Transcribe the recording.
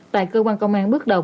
tại cơ quan công an bước đầu